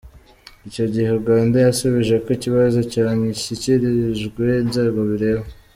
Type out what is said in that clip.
Icyo gihe Uganda yasubije ko ikibazo cyashyikirijwe inzego bireba.